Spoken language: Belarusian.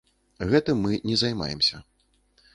Гэтым мы не займаемся.